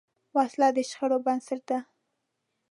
وسله د شخړو بنسټ ده